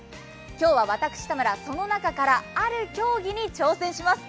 今日は私・田村、その中からある競技に挑戦します。